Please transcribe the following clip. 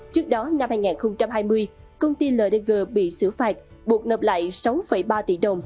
trước đó năm hai nghìn hai mươi công ty ldg bị xử phạt buộc nộp lại sáu ba tỷ đồng